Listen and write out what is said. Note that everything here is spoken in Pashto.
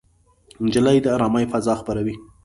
نجلۍ د ارامۍ فضا خپروي.